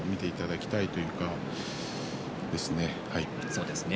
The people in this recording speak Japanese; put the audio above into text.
そうですね。